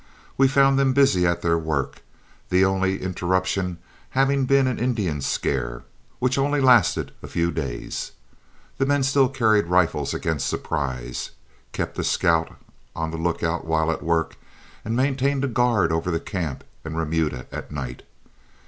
We found them busy at their work, the only interruption having been an Indian scare, which only lasted a few days. The men still carried rifles against surprise, kept a scout on the lookout while at work, and maintained a guard over the camp and remuda at night.